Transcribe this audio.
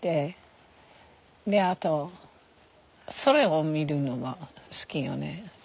であと空を見るのが好きよね。